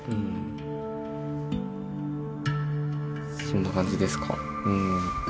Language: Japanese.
そんな感じですか。